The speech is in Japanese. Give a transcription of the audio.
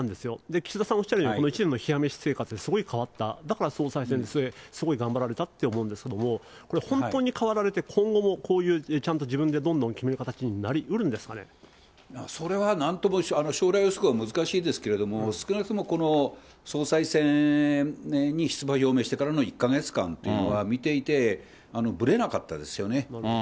岸田さんおっしゃるようにこの１年の冷や飯生活で変わった、だから総裁選ですごい頑張られたと思うんですけれども、これ、本当に変わられて、今後もこういうちゃんと自分でどんどん決めた形になりうるんですそれはなんとも、将来予測は難しいですけれども、少なくともこの総裁選に出馬表明してからの１か月間というのは、見ていてぶれなかったですよね。